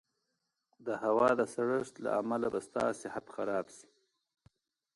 د هوا د سړښت له امله به ستا صحت خراب شي.